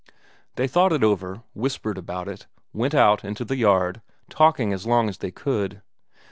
They thought it over, whispered about it, went out into the yard, talking as long as they could.